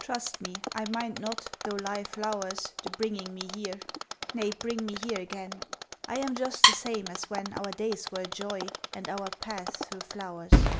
Trust me, I mind not, though Life lours, The bringing me here; nay, bring me here again! I am just the same as when Our days were a joy, and our paths through flowers.